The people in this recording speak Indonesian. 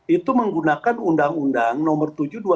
itu menggunakan undang undang nomor tujuh dua ribu